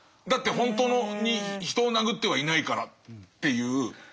だって本当に人を殴ってはいないからっていう。